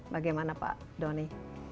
bagaimana pak doni